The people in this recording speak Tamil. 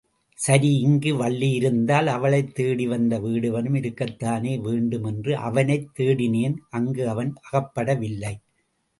சரி, இங்கு வள்ளியிருந்தால் அவளைத் தேடிவந்த வேடுவனும் இருக்கத்தானே வேண்டும் என்று அவனைத் தேடினேன் அங்கு அவன் அகப்படவில்லை.